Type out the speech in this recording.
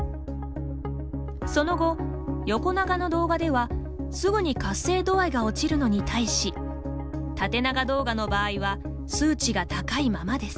その後、横長の動画では、すぐに活性度合いが落ちるのに対し縦長動画の場合は数値が高いままです。